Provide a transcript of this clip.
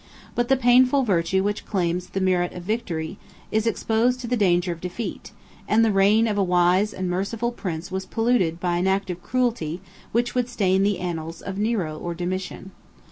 But the painful virtue which claims the merit of victory, is exposed to the danger of defeat; and the reign of a wise and merciful prince was polluted by an act of cruelty which would stain the annals of Nero or Domitian.